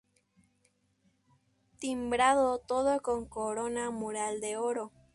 Timbrado todo con corona mural de oro.